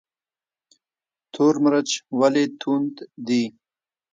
تور مرچ ولې توند دي؟